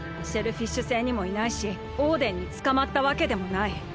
シェルフィッシュ星にもいないしオーデンにつかまったわけでもない。